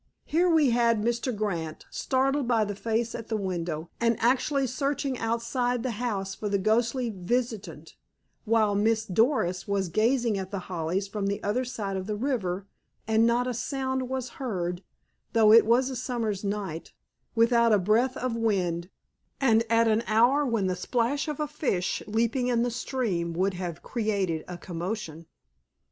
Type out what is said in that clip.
Here we had Mr. Grant startled by the face at the window, and actually searching outside the house for the ghostly visitant, while Miss Doris was gazing at The Hollies from the other side of the river, and not a sound was heard, though it was a summer's night, without a breath of wind, and at an hour when the splash of a fish leaping in the stream would have created a commotion.